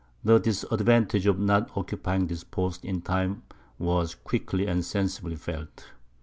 The disadvantage of not occupying this post in time, was quickly and sensibly felt.